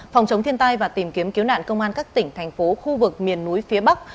phòng chống thiên tai và tìm kiếm cứu nạn công an các tỉnh thành phố khu vực miền núi phía bắc